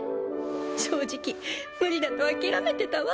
正直無理だと諦めてたわ。